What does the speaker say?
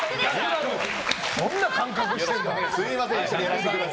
どんな感覚してんだ。